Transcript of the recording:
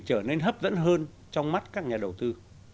trở nên hấp dẫn hơn trong mắt các nhà đầu tư